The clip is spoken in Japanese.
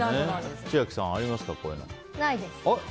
千秋さん、ありますか？